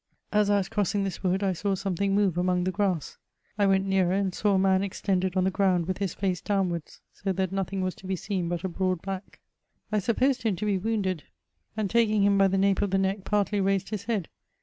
As I was crossing this wood, I saw something move among the g^rass ; I went nearer, and saw a man extended on the ground, with his face downwards, so that nothing was to be seen but a broad back. I supposed lum to be wounded, and taking him by the nape of the neck, partly raised his head.